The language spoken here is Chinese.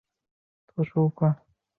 为种子岛惠时之子。